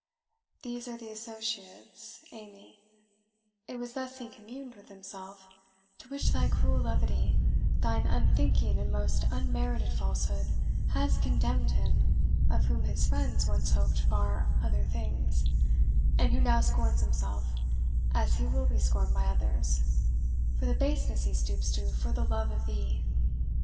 "These are the associates, Amy" it was thus he communed with himself "to which thy cruel levity thine unthinking and most unmerited falsehood, has condemned him of whom his friends once hoped far other things, and who now scorns himself, as he will be scorned by others, for the baseness he stoops to for the love of thee!